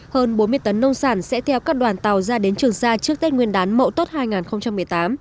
hơn bốn mươi tấn nông sản sẽ theo các đoàn tàu ra đến trường sa trước tết nguyên đán mậu tốt hai nghìn một mươi tám